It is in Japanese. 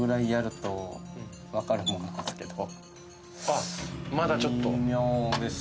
あっまだちょっと？